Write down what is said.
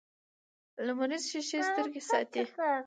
لمریزې شیشې سترګې ساتي